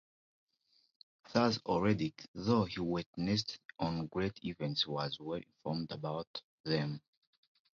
Thus Orderic, though he witnessed no great events, was well-informed about them.